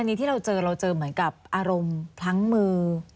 อันนี้ที่เราเจอเราเจอเหมือนกับอารมณ์พลั้งมือ